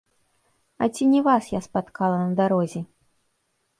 А ці не вас я спаткала на дарозе?